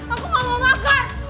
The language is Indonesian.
aku nggak mau makan